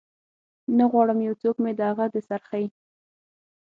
نه غواړم یو څوک مې د هغه د سرخۍ